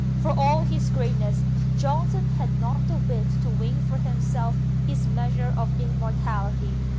For all his greatness Johnson had not the wit to win for himself his measure of immortality.